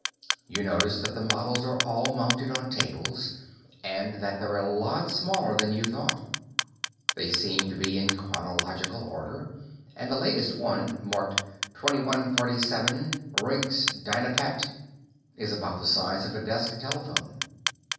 You notice that the models are all mounted on tables and that they're a lot smaller than you thought. They seem to be in chronological order, and the latest one, marked 2147 Rincs Dyn*pat:, is about the size of a desk telephone.